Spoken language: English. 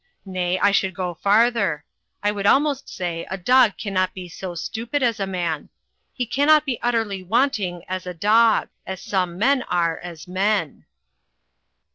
Nay, I should go farther. I would almost say a dog cannot be so stupid as a man. He cannot be utterly wanting as a dog — ^as some men are as men."